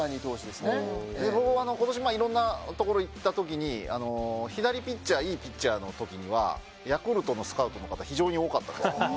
今年、いろんなところに行ったときに、左ピッチャー、いいピッチャーのときにはヤクルトのスカウトの方非常に多かったです。